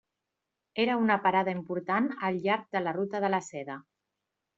Era una parada important al llarg de la ruta de la Seda.